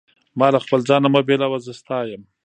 ما له خپل ځانه مه بېلوه، زه ستا یم.